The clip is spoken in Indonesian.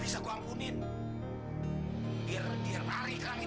saya akan serahkan anda